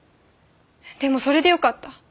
でもそれでよかった。